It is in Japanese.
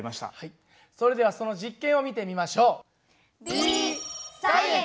それではその実験を見てみましょう。